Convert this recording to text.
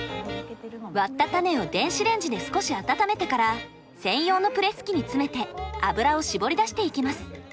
割った種を電子レンジで少し温めてから専用のプレス機に詰めて油を搾り出していきます。